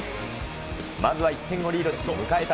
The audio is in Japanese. まずは１点をリードして迎えた